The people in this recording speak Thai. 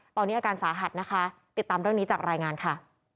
ตอนนี้อาการสาหัสนะคะติดตามเรื่องนี้จากรายงานค่ะ